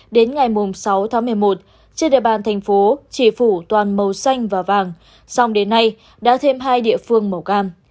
đến ngày sáu tháng một mươi một trên địa bàn tp hcm chỉ phủ toàn màu xanh và vàng xong đến nay đã thêm hai địa phương màu cam